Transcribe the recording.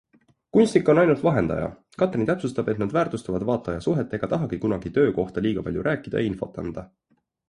Kunstnik on ainult vahendaja. Katrin täpsustab, et nad väärtustavad vaataja suhet ega tahagi kunagi töö kohta liialt palju rääkida ja infot anda.